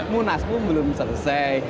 munas pun belum selesai